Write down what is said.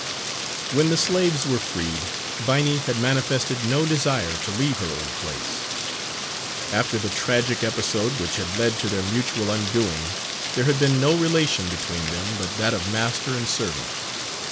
When the slaves were freed, Viney had manifested no desire to leave her old place. After the tragic episode which had led to their mutual undoing, there had been no relation between them but that of master and servant.